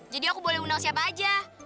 jadi aku boleh undang siapa aja